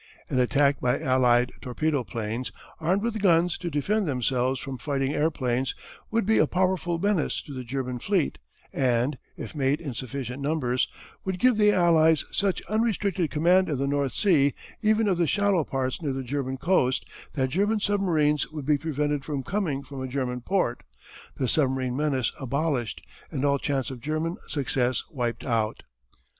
An attack by allied torpedo planes, armed with guns to defend themselves from fighting airplanes, would be a powerful menace to the German fleet and, if made in sufficient numbers, would give the Allies such unrestricted command of the North Sea, even of the shallow parts near the German coast, that German submarines would be prevented from coming from a German port, the submarine menace abolished, and all chance of German success wiped out.